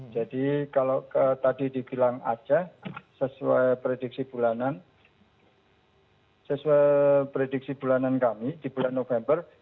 jadi kalau tadi dibilang aceh sesuai prediksi bulanan kami di bulan november